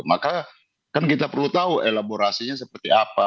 maka kan kita perlu tahu elaborasinya seperti apa